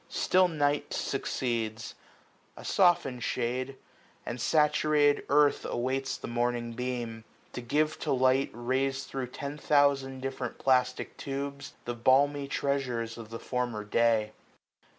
Still night succeeds ; A softened shade, and saturated earth Awaits the morning beam ; to give to light c 10 S P k 1 N G. Rals'd thro' ten thousand different plastic tubes. The balmy treasures of the former day.